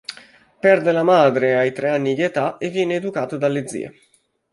Perde la madre ai tre anni di età e viene educato dalle zie.